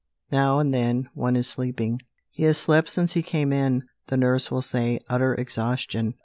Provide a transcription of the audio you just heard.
Now and then one is sleeping. "He has slept since he came in," the nurse will say; "utter exhaustion."